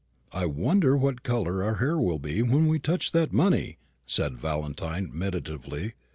"I wonder what colour our hair will be when we touch that money?" said Valentine meditatively.